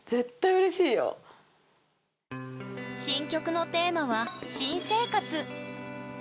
新曲のテーマは「新生活」